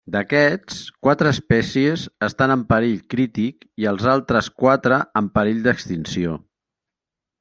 D'aquests, quatre espècies estan en perill crític i els altres quatre en perill d'extinció.